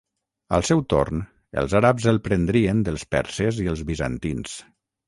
Al seu torn, els àrabs el prendrien dels perses i els bizantins.